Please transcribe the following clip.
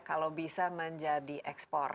kalau bisa menjadi ekspor